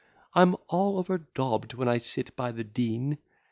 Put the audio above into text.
I'm all over daub'd when I sit by the Dean.